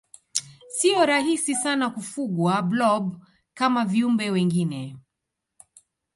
siyo rahisi sana kufugwa blob kama viumbe wengine